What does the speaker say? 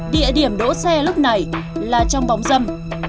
địa điểm đỗ xe lúc này là trong bóng dâm